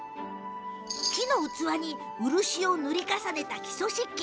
木の器に漆を塗り重ねた木曽漆器。